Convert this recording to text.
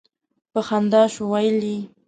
په خندا شو ویل یې.